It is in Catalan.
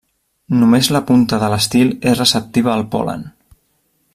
Només la punta de l'estil és receptiva al pol·len.